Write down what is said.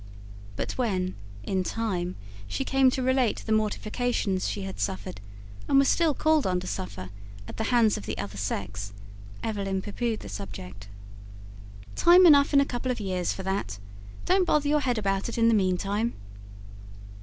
But when, in time, she came to relate the mortifications she had suffered and was still called on to suffer at the hands of the other sex, Evelyn pooh poohed the subject. "Time enough in a couple of years for that. Don't bother your head about it in the meantime."